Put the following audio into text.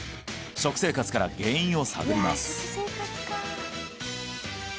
食生活から原因を探ります